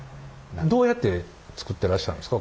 どうやって作ってらっしゃるんですか？